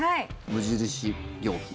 無印良品。